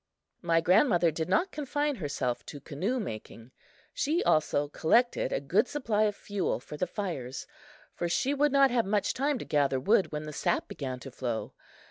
My grandmother did not confine herself to canoe making. She also collected a good supply of fuel for the fires, for she would not have much time to gather wood when the sap began to flow.